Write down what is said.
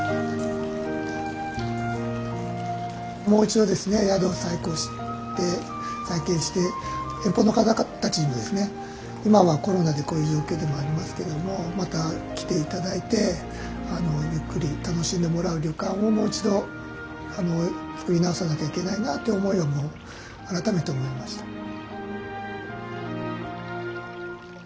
もう一度ですね宿を再興して再建して遠方の方たちにもですね今はコロナでこういう状況でもありますけどもまた来て頂いてゆっくり楽しんでもらう旅館をもう一度作り直さなきゃいけないなって思いを改めて思いました。